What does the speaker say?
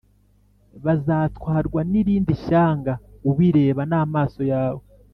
bazatwarwa n’irindi shyanga+ ubireba n’amaso yawe.